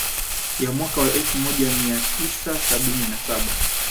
Ya mwaka wa elfu moja mia tisa sabini na saba